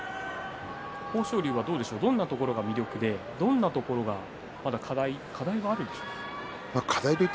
豊昇龍はどんなところが魅力でどんなところまだ課題があるんでしょうか。